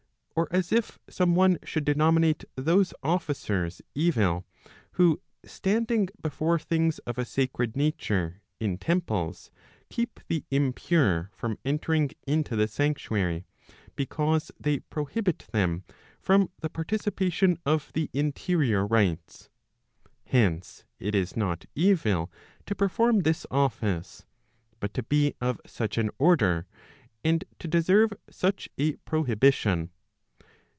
Or as if some one should denominate those [officers] evil, who standing before things of a sacred nature [in temples] keep the impure from entering into the sanctuary, because they prohibit them from the participation of the interior rites. Hence, it is not evil to perform this office, but to be of such an order, and to deserve such a prohibition.'